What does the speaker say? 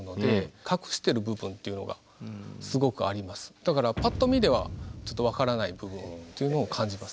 だからぱっと見ではちょっと分からない部分っていうのを感じます。